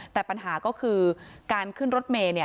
แต่ปัญหาก็คือการขึ้นรถเมย์